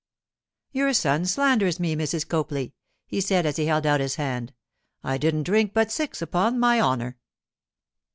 'Your son slanders me, Mrs. Copley,' he said as he held out his hand; 'I didn't drink but six, upon my honour.